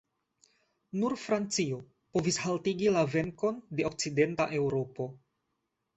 Nur Francio povis haltigi la venkon de okcidenta Eŭropo.